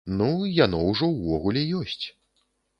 Ну, яно ўжо ўвогуле ёсць.